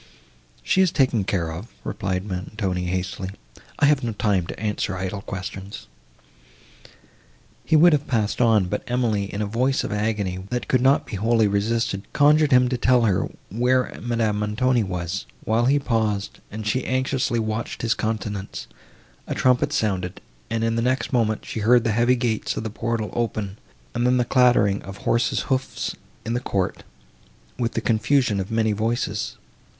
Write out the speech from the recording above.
"She is taken care of," replied Montoni hastily, "I have no time to answer idle questions." He would have passed on, but Emily, in a voice of agony, that could not be wholly resisted, conjured him to tell her, where Madame Montoni was; while he paused, and she anxiously watched his countenance, a trumpet sounded, and, in the next moment, she heard the heavy gates of the portal open, and then the clattering of horses' hoofs in the court, with the confusion of many voices.